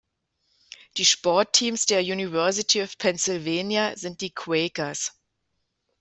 Die Sportteams der University of Pennsylvania sind die "Quakers".